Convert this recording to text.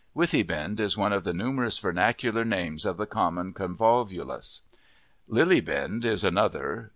Withybind is one of the numerous vernacular names of the common convolvulus. Lilybind is another.